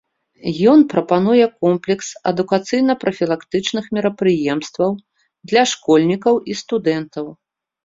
Ён прапануе комплекс адукацыйна-прафілактычных мерапрыемстваў для школьнікаў і студэнтаў.